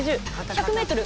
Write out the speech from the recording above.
１００ｍ。